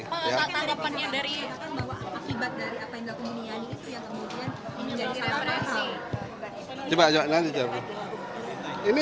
mungkin kita bisa mengetahui bahwa akibat dari apa yang dilakukan bunyani itu yang kemudian menjadi masalah